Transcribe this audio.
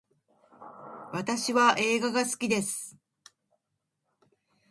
私は映画が好きです